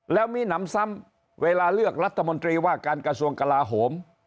แล้วมีหนำซ้ำเวลาเลือกรัฐมนตรีว่าการกระทรวงกลาโหม